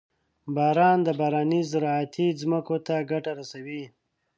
• باران د بارانۍ زراعتي ځمکو ته ګټه رسوي.